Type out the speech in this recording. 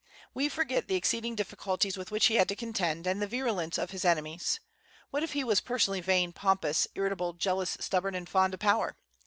We forget the exceeding difficulties with which he had to contend, and the virulence of his enemies. What if he was personally vain, pompous, irritable, jealous, stubborn, and fond of power?